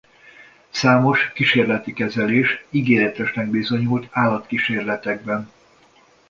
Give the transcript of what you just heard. Számos kísérleti kezelés ígéretesnek bizonyult állatkísérletekben.